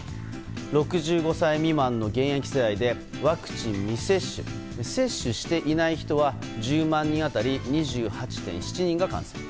６５歳未満の現役世代でワクチン未接種接種していない人は１０万人当たり２８．７人が感染。